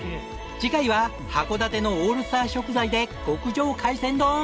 次回は函館のオールスター食材で極上海鮮丼。